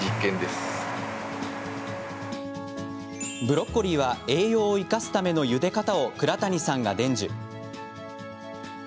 ブロッコリーは栄養を生かすためのゆで方を鞍谷さんが伝授。